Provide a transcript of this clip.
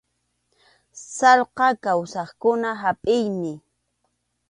Sallqa kawsaqkuna hapʼiymi.